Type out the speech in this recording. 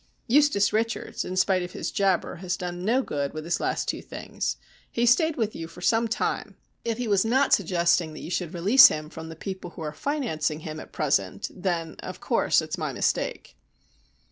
Eustace Richards, in spite of his jabber, has done no good with his last two things. He stayed with you for some time. If he was not suggesting that you should release him from the people who are financing him at present, then, of course, it's my mistake."